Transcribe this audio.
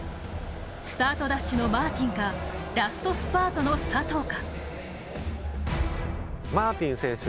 スタートダッシュのマーティンかラストスパートの佐藤か。